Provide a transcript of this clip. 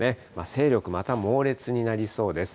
勢力、また猛烈になりそうです。